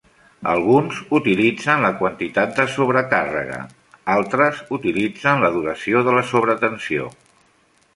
Alguns utilitzen la quantitat de sobrecàrrega; altres utilitzen la duració de la sobretensió.